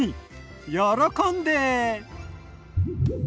喜んで。